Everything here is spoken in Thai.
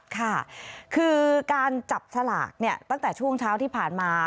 ค่ะคือการจับสลากเนี่ยตั้งแต่ช่วงเช้าที่ผ่านมา